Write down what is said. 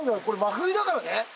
これ真冬だからね？